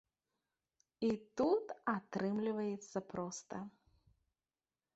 І тут атрымліваецца проста.